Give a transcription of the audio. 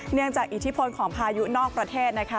จากอิทธิพลของพายุนอกประเทศนะคะ